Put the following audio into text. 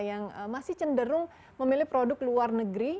yang masih cenderung memilih produk luar negeri